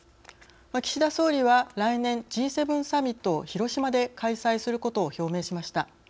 岸田総理は来年、Ｇ７サミットを広島で開催することを表明しました。